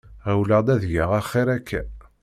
Ɛewleɣ-d ad geɣ axiṛ akka.